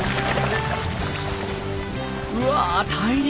うわ大漁！